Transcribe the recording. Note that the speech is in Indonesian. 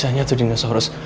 caranya tuh dinosaurus